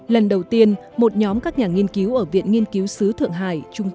lần đầu tiên một nhóm các nhà nghiên cứu ở viện nghiên cứu sứ thượng hà